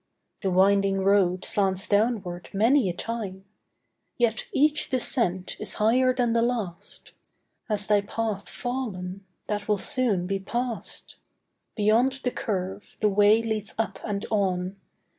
The winding road slants downward many a time; Yet each descent is higher than the last. Has thy path fallen? That will soon be past. Beyond the curve the way leads up and on.